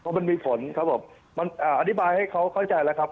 เพราะมันมีผลครับผมมันอธิบายให้เขาเข้าใจแล้วครับ